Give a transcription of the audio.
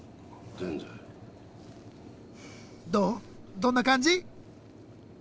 どんな感じ？